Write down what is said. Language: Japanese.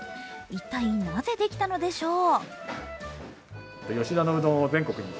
一体なぜできたのでしょう？